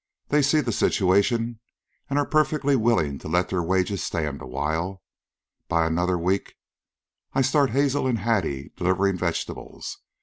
They see the situation, and are perfectly willing to let their wages stand a while. By another week I start Hazel and Hattie delivering vegetables.